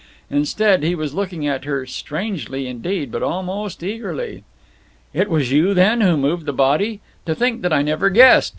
Instead, he was looking at her, strangely, indeed, but almost eagerly. "It was you, then, who moved the body! To think that I never guessed!"